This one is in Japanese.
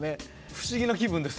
不思議な気分です